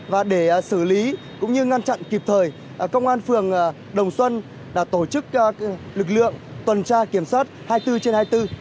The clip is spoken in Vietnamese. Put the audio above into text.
và để xử lý cũng như ngăn chặn kịp thời công an phường đồng xuân đã tổ chức lực lượng tuần tra kiểm soát hai mươi bốn trên hai mươi bốn